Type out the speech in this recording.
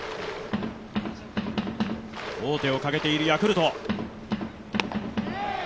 王手をかけているヤクルト。